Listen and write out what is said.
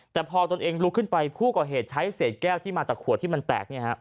แต่พอตนเองลุกขึ้นไปผู้ก่อเหตุใช้เศษแก้วที่มาจากขวดที่มันแตก